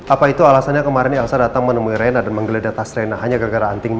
apa itu alasannya kemarin elsa datang menemui rena dan menggeledah tasrena hanya gara gara anting